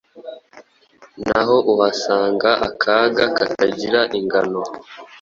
naho uhasanga akaga katagira ingano.